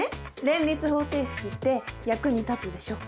連立方程式って役に立つでしょ？